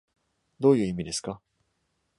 どういう意味ですか?